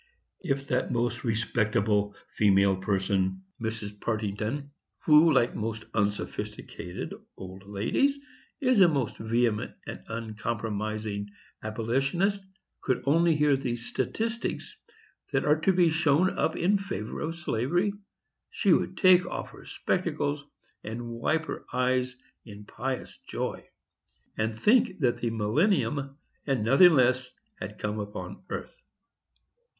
If that most respectable female person, Mrs. Partington, who, like most unsophisticated old ladies, is a most vehement and uncompromising abolitionist, could only hear the statistics that are to be shown up in favor of slavery, she would take off her spectacles and wipe her eyes in pious joy, and think that the millennium, and nothing less, had come upon earth.